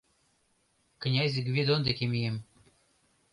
Князь Гвидон деке мием».